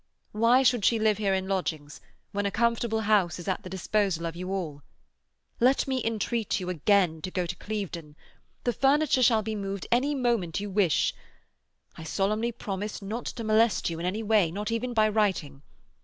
Why should she live here in lodgings, when a comfortable house is at the disposal of you all? Let me again entreat you to go to Clevedon. The furniture shall be moved any moment you wish. I solemnly promise not to molest you in any way, not even by writing.